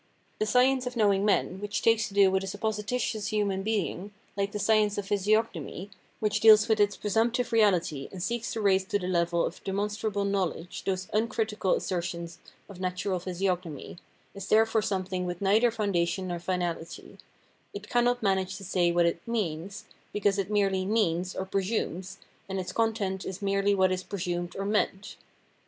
The " science of knowing men "* which takes to do with a suppositi tious human being, hke the science of physiognomy, which deals with its presumptive reahty and seeks to raise to the level of demonstrable knowledge those un critical assertions of natural physiognomy, is therefore something with neither foundation nor finahty ; it cannot manage to say what it "means" because it merely "means" or "presumes," and its content is merely what is " presumed " or " meant."